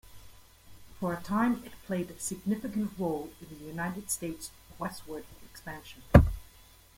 For a time, it played a significant role in the United States' westward expansion.